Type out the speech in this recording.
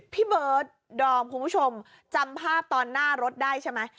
พี่เบิร์ดดอมคุณผู้ชมจำภาพตอนหน้ารถได้ใช่ไหม